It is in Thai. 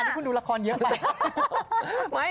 นี่คุณดูละครเยอะไป